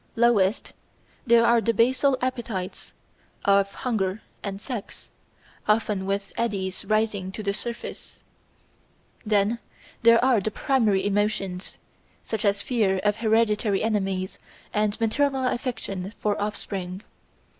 Lowest there are the basal appetites of hunger and sex, often with eddies rising to the surface. Then there are the primary emotions, such as fear of hereditary enemies and maternal affection for offspring.